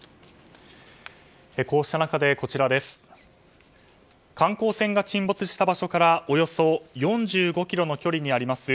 こうした中観光船が沈没した場所からおよそ４５ｋｍの距離にあります